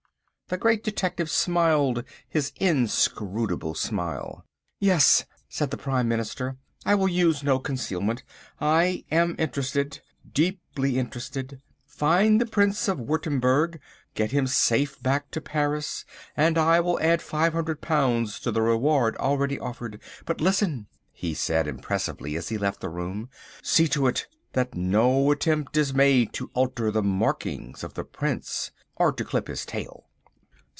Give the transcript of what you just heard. The Great Detective smiled his inscrutable smile. "Yes," said the Prime Minister. "I will use no concealment. I am interested, deeply interested. Find the Prince of Wurttemberg, get him safe back to Paris and I will add £500 to the reward already offered. But listen," he said impressively as he left the room, "see to it that no attempt is made to alter the marking of the prince, or to clip his tail."